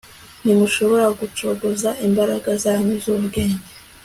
Ntimushobora gucogoza imbaraga zanyu zubwenge